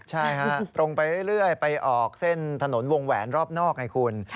ใช่ฮะตรงไปเรื่อยไปออกเส้นถนนวงแหวนรอบนอกไงคุณ